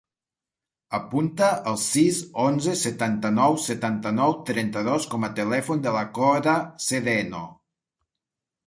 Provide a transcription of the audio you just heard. Apunta el sis, onze, setanta-nou, setanta-nou, trenta-dos com a telèfon de la Cora Cedeño.